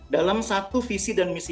dalam satu visi dan misi